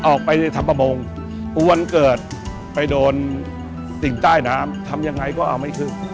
ออกไปในถ้ำประมงวันเกิดไปโดนสิ่งใต้น้ำทำยังไงก็เอาไม่ขึ้น